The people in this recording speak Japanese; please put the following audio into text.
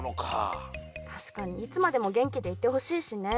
たしかにいつまでもげんきでいてほしいしね。